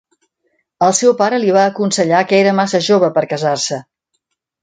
El seu pare li va aconsellar que era massa jove per casar-se.